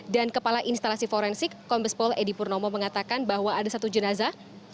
dan kepala instalasi forensik kombes pol edi purnomo mengatakan bahwa ada satu jenazah